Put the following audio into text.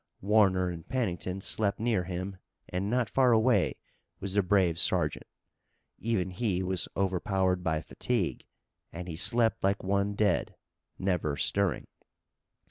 Warner and Pennington slept near him and not far away was the brave sergeant. Even he was overpowered by fatigue and he slept like one dead, never stirring.